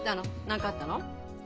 何かあったの？